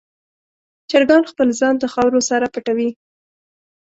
چرګان خپل ځان د خاورو سره پټوي.